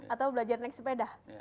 atau belajar naik sepeda